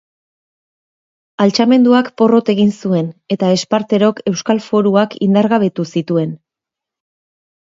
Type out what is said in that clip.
Altxamenduak porrot egin zuen eta Esparterok euskal foruak indargabetu zituen.